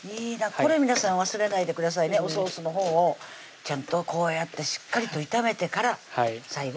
これ皆さん忘れないでくださいねおソースのほうをちゃんとこうやってしっかりと炒めてから最後